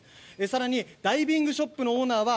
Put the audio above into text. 更に、ダイビングショップのオーナーは